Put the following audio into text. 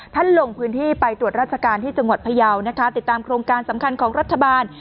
ลงพื้นที่ไปตรวจราชการที่จังหวัดพยาวนะคะติดตามโครงการสำคัญของรัฐบาล